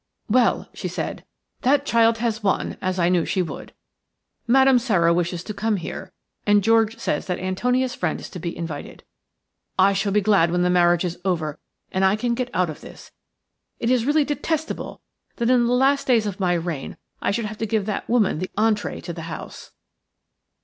"Well," she said, "that child has won, as I knew she would. Madame Sara wishes to come here, and George says that Antonia's friend is to be invited. I shall be glad when the marriage is over and I can get out of this. It is really detestable that in the last days of my reign I should have to give that woman the entrée to the house."